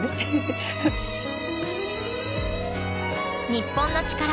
『日本のチカラ』